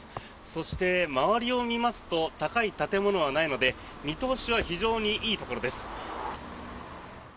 そして、周りを見ますと高い建物はないので見通しは非常にいいところです。